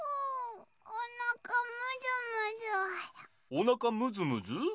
おなかむずむず？